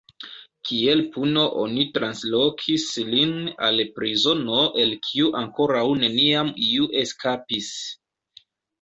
Kiel puno oni translokis lin al prizono el kiu ankoraŭ neniam iu eskapis.